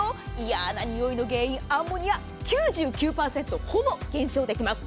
嫌な臭いの原因、アンモニア９９％、ほぼ減少できます。